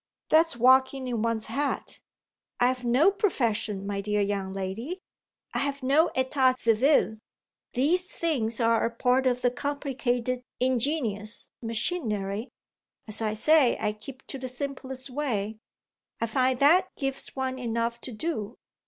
That's walking in one's hat! I've no profession, my dear young lady. I've no état civil. These things are a part of the complicated ingenious machinery. As I say, I keep to the simplest way. I find that gives one enough to do.